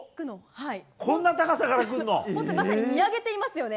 まさに見上げていますよね。